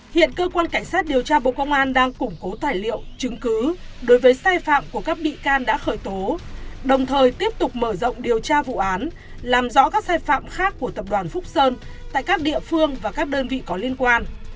hiện cơ quan cảnh sát điều tra bộ công an đang củng cố tài liệu chứng cứ đối với sai phạm của các bị can đã khởi tố đồng thời tiếp tục mở rộng điều tra vụ án làm rõ các sai phạm khác của tập đoàn phúc sơn tại các địa phương và các đơn vị có liên quan